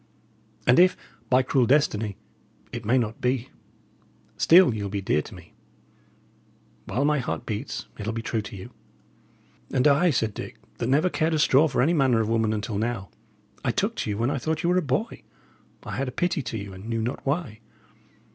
And if, by cruel destiny, it may not be, still ye'll be dear to me. While my heart beats, it'll be true to you." "And I," said Dick, "that never cared a straw for any manner of woman until now, I took to you when I thought ye were a boy. I had a pity to you, and knew not why.